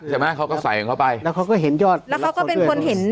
เขาก็ใส่ของเขาไปแล้วเขาก็เห็นยอดแล้วเขาก็เป็นคนเห็น